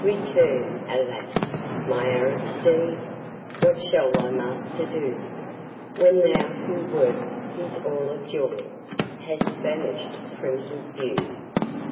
Return! alas! my Arab steed! what shall thy master do, When thou who wert his all of joy, hast vanished from his view?